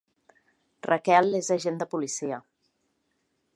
Raquel és agent de policia